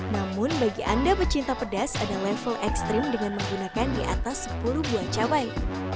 namun bagi anda pecinta pedas ada level ekstrim dengan menggunakan di atas sepuluh buah cabai